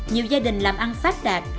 nhiều gia đình làm ăn phát đạt